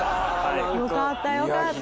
よかったよかった。